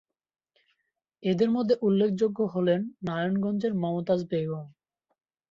এদের মধ্যে উল্লেখযোগ্য হলেন নারায়ণগঞ্জের মমতাজ বেগম।